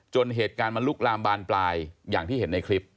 เหตุการณ์มันลุกลามบานปลายอย่างที่เห็นในคลิป